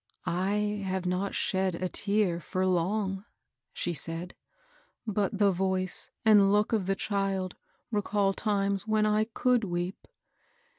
" I have not shed a tear for long," she said ;" but the voice and look of the child recall times when I could weep.